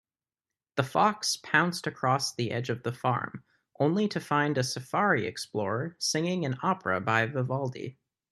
The fox pounced across the edge of the farm, only to find a safari explorer singing an opera by Vivaldi.